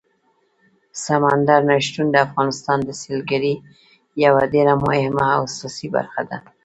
سمندر نه شتون د افغانستان د سیلګرۍ یوه ډېره مهمه او اساسي برخه ده.